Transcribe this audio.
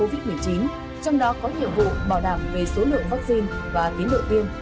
covid một mươi chín trong đó có nhiệm vụ bảo đảm về số lượng vaccine và tiến độ tiên